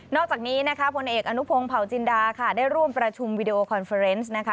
นอกจากนี้ผลเอกอนุพงศ์เผาจินดาได้ร่วมประชุมวิดีโอคอนเฟอร์เฟอร์เซ็นต์